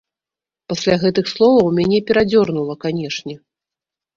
Пасля гэтых словаў мяне перадзёрнула, канечне.